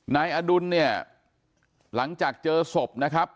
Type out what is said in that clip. นายอดุลเนี่ยหลังจากเจอศพนะครับ